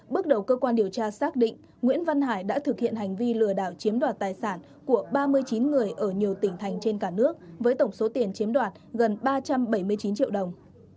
bước đầu cơ quan điều tra xác định nguyễn văn hải đã thực hiện hành vi lừa đảo chiếm đoạt tài sản của ba mươi chín người ở nhiều tỉnh thành trên cả nước với tổng số tiền chiếm đoạt gần ba trăm bảy mươi chín triệu đồng